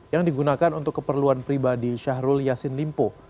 yang digunakan untuk keperluan pribadi syahrul yassin limpo